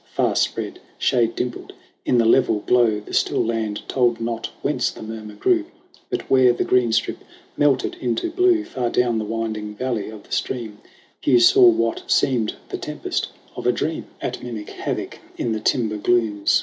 Far spread, shade dimpled in the level glow, The still land told not whence the murmur grew; But where the green strip melted into blue Far down the winding valley of the stream, Hugh saw what seemed the tempest of a dream 64 SONG OF HUGH GLASS At mimic havoc in the timber glooms.